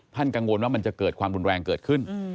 กังวลว่ามันจะเกิดความรุนแรงเกิดขึ้น